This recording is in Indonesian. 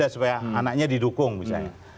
supaya anaknya didukung misalnya